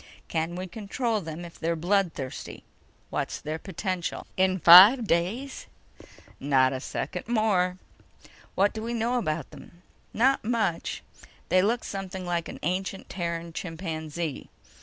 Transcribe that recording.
Can we control them if they're bloodthirsty. What's their potential?" "In five days?" "Not a second more." "What do we know about them?" "Not much. They look something like an ancient Terran chimpanzee